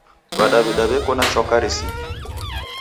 W'adawida w'eko na chwaka risingie!